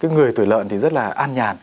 người tuổi lợn thì rất là ăn nhàn